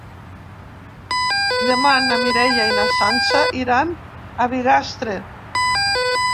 Demà na Mireia i na Sança iran a Bigastre.